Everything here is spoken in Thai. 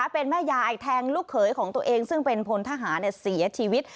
เป็นแม่ยายแทงลูกเขยของตัวเองซึ่งเป็นพลทหารเสียชีวิต